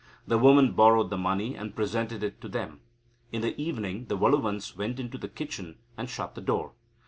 The woman borrowed the money, and presented it to them. In the evening the Valluvans went into the kitchen, and shut the door.